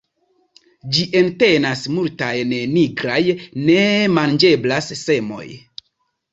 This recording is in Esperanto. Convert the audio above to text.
Ĝi entenas multajn nigraj, ne manĝeblaj semoj.